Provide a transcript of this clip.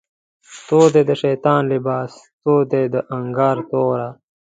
تور دی د شیطان لباس، تور دی د انکار توره